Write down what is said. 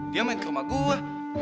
dia main ke rumah gue